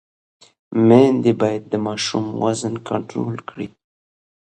میندې باید د ماشوم وزن کنټرول کړي۔